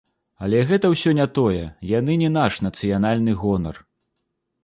Але гэта ўсё не тое, яны не наш нацыянальны гонар.